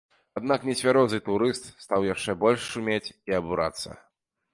Аднак нецвярозы турыст стаў яшчэ больш шумець і абурацца.